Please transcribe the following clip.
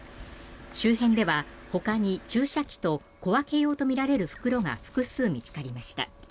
周辺では、ほかに注射器と小分け用とみられる袋が複数見つかりました。